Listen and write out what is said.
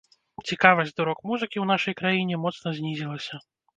Цікавасць да рок-музыкі ў нашай краіне моцна знізілася.